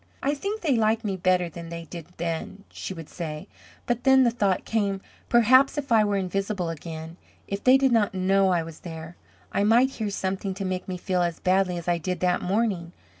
"I think they like me better than they did then," she would say; but then the thought came, "Perhaps if I were invisible again, if they did not know I was there, I might hear something to make me feel as badly as I did that morning."